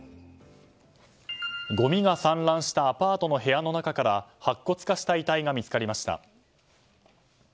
ごみが散乱したアパートの部屋の中から白骨化した遺体が見つかりました。